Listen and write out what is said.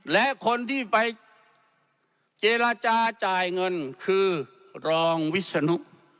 และคนที่ไปเจรจาจ่ายเงินคือรองวิศนุ